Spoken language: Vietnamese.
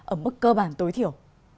ở mức cơ bản tối thiểu